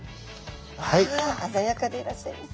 ああざやかでいらっしゃいます。